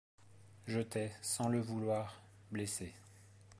Je t’ai, sans le vouloir, blessée.